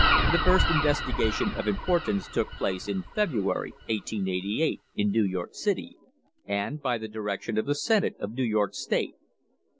The first inves tigation of importance took place in February, 1888, in New York City, and by the direction of the Senate of New York State.